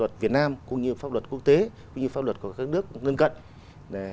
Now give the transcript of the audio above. pháp luật việt nam cũng như pháp luật quốc tế cũng như pháp luật của các nước gần gần